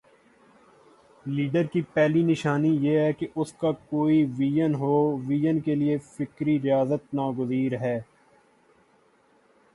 Leader کی پہلی نشانی یہ ہے کہ اس کا کوئی وژن ہو وژن کے لیے فکری ریاضت ناگزیر ہے۔